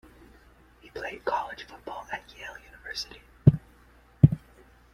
He played college football at Yale University.